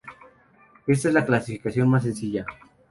Esta es la clasificación más sencilla.